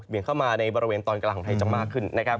เข้ามาในบริเวณตอนกลางของไทยจะมากขึ้นนะครับ